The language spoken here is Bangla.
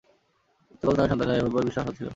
এতকাল তাহার সন্তানাদি হয় নাই, হইবার বিশেষ আশাও ছিল না।